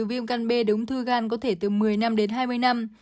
virus viêm gan b đến ung thư gan có thể từ một mươi năm đến hai mươi năm